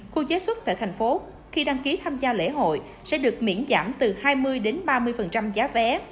khu chế xuất tại thành phố khi đăng ký tham gia lễ hội sẽ được miễn giảm từ hai mươi đến ba mươi giá vé